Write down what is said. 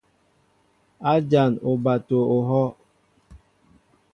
A jan oɓato ohɔʼ.